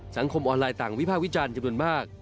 สังคมออนไลน์ต่างวิภาควิจารณ์จำนวนมาก